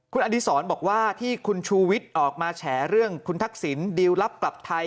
คุณอดีศรบอกว่าที่คุณชูวิทย์ออกมาแฉเรื่องคุณทักษิณดิวรับกลับไทย